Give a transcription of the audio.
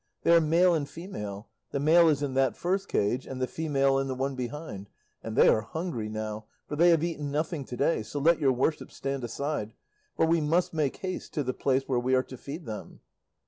They are male and female; the male is in that first cage and the female in the one behind, and they are hungry now, for they have eaten nothing to day, so let your worship stand aside, for we must make haste to the place where we are to feed them."